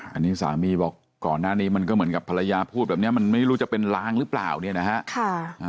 อันนี้สามีบอกก่อนหน้านี้มันก็เหมือนกับภรรยาพูดแบบนี้มันไม่รู้จะเป็นล้างหรือเปล่าเนี่ยนะฮะ